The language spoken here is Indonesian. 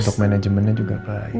untuk manajemennya juga baik